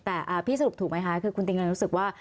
แต่พี่สรุปถูกไหมคะคือคุณติ๊งเงินรู้สึกว่า